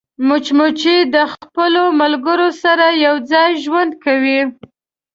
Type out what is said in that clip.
مچمچۍ د خپلو ملګرو سره یوځای ژوند کوي